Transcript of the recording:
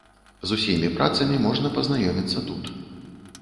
З усімі працамі можна пазнаёміцца тут.